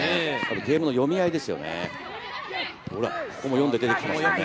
ゲームの読み合いですよね、ほら。